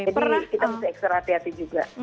jadi kita harus ekstra hati hati juga